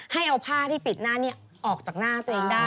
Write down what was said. ให้เอาผ้าที่ปิดหน้านี้ออกจากหน้าตัวเองได้